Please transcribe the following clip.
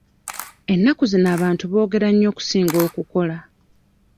Ennaku zino abantu boogera nnyo okusinga okukola.